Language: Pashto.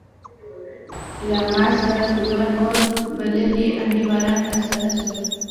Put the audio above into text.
له ما سره دوه نور بلدي انډيوالان راسره سول.